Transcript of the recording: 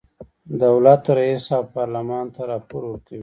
دولت رئیس او پارلمان ته راپور ورکوي.